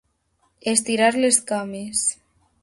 Estirar les cames.